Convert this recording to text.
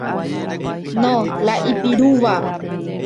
No, la ipirúva.